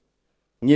đại hội một mươi một